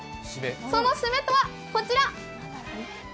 そのシメとは、こちら。